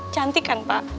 cantik kan pak